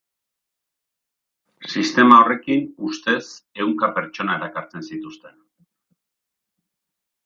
Sistema horrekin, ustez, ehunka pertsona erakartzen zituzten.